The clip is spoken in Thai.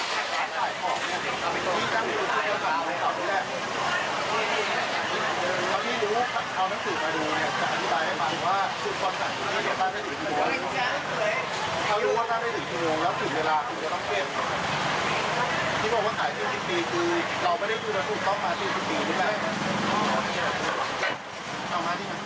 ที่บอกว่าขาย๔๐ปีคือเราไม่ได้ดูแล้วถูกต้องมา๔๐ปีนิดแหละ